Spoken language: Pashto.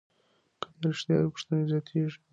که دا رښتیا وي، پوښتنې زیاتېږي.